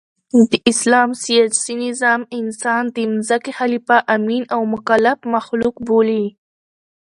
د اسلام سیاسي نظام انسان د مځکي خلیفه، امین او مکلف مخلوق بولي.